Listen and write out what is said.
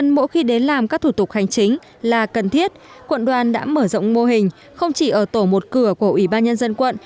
nhưng mỗi khi đến làm các thủ tục hành chính là cần thiết quận đoàn đã mở rộng mô hình không chỉ ở tổ một cửa của ủy ban nhân dân quận